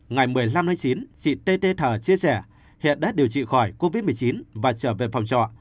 ngày một mươi năm hai mươi chín chị t t thở chia sẻ hiện đã điều trị khỏi covid một mươi chín và trở về phòng trò